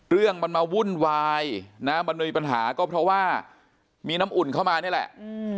เรื่องมันมาวุ่นวายนะมันมีปัญหาก็เพราะว่ามีน้ำอุ่นเข้ามานี่แหละ